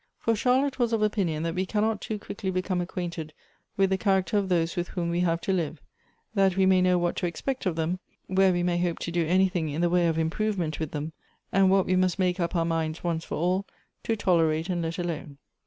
For Charlotte was of opin ion that we cannot too quickly become acquainted with the character of those with whom we have to live, that we may know what to expect of them ; where we may hope to do anything in the way of improvement with them, and what we must make up our minds, once for all, to tolerate and let alone.